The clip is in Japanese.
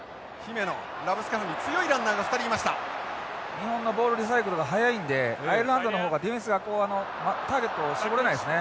日本のボールリサイクルが速いんでアイルランドの方がディフェンスがターゲットを絞れないですね。